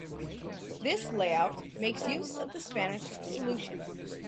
This layout makes use of the Spanish solution.